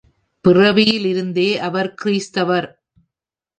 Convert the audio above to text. பிறவியிலிருந்தே அவர் கிறிஸ்தவர்.